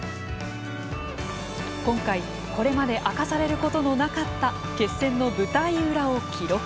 今回、これまで明かされることのなかった、決戦の舞台裏を記録。